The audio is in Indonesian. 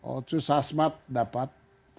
otsus asmat dapat